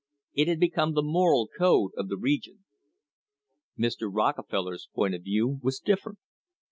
It had become the moral code of the region. Mr. Rockefeller's point of view was different.